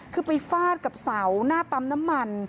คือไปฟาดกับเสาหน้าปั๊มน้ำมัน